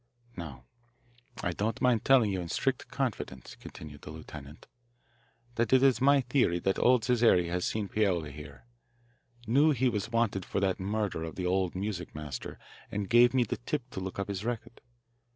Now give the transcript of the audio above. "Now I don't mind telling you in strict confidence," continued the lieutenant, "that it's my theory that old Cesare has seen Paoli here, knew he was wanted for that murder of the old music master, and gave me the tip to look up his record.